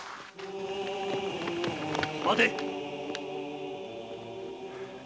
待て！